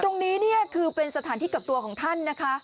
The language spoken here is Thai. ตรงนี้เนี่ยคือเป็นสถานที่กักตัวของท่านนะคะ